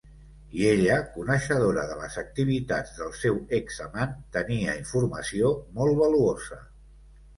I ella, coneixedora de les activitats del seu ex-amant, tenia informació molt valuosa.